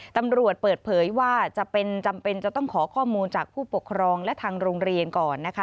ตำรวจเปิดเผยว่าจำเป็นจะต้องขอข้อมูลจากผู้ปกครองและทางโรงเรียนก่อนนะคะ